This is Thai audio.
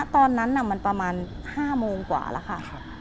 ตอนนั้นมันประมาณ๕โมงกว่าแล้วค่ะ